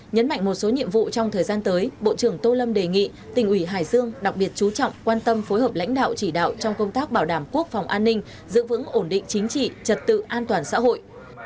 nhấn mạnh một số nhiệm vụ trong thời gian tới bộ trưởng tô lâm đề nghị tỉnh ủy hải dương đặc biệt chú trọng quan tâm phối hợp lãnh đạo chỉ đạo trong công tác bảo đảm quốc phòng an ninh giữ vững ổn định chính trị trật tự an toàn xã hội